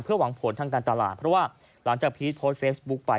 หวังผลทางการตลาดเพราะว่าหลังจากพีชโพสต์เฟซบุ๊คไป